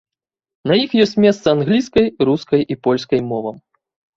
На іх ёсць месца англійскай, рускай і польскай мовам.